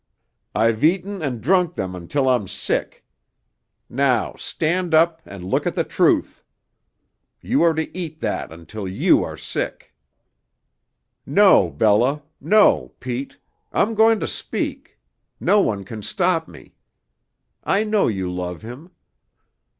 I've eaten and drunk them until I'm sick. Now stand up and look at the truth. You are to eat that until you are sick. No, Bella; no, Pete; I'm going to speak; no one can stop me. I know you love him.